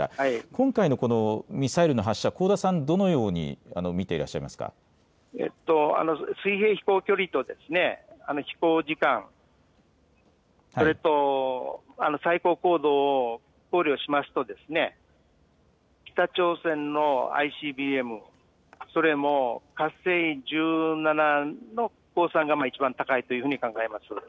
今回のこのミサイルの発射、香田さん、どのように見ていらっしゃ水平飛行距離と飛行時間、それと最高高度を考慮しますと、北朝鮮のＩＣＢＭ、それも火星１７の公算が一番高いというふうに考えます。